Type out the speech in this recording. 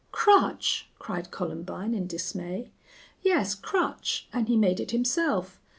"Crutch!" cried Columbine, in dismay. "Yes, crutch, an' he made it himself....